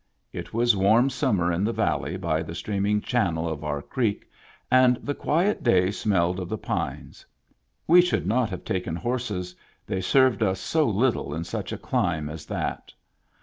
It was warm sum mer in the valley by the streaming channel of our creek, and the quiet day smelled of the pines. We should not have taken horses, they served us so little in such a climb as that.